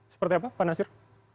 seperti apa pak nasir